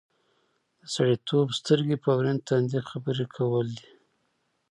د سړیتوب سترګې په ورین تندي خبرې کول دي.